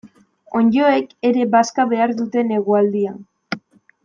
Onddoek ere bazka behar dute negualdian.